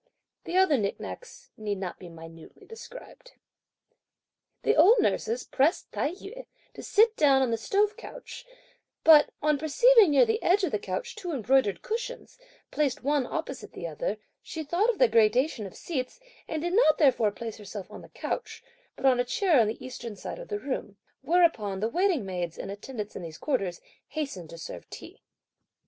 The other nick nacks need not be minutely described. The old nurses pressed Tai yü to sit down on the stove couch; but, on perceiving near the edge of the couch two embroidered cushions, placed one opposite the other, she thought of the gradation of seats, and did not therefore place herself on the couch, but on a chair on the eastern side of the room; whereupon the waiting maids, in attendance in these quarters, hastened to serve the tea.